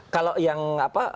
kalau yang apa